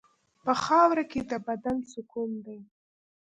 په خاوره کې د بدن سکون دی.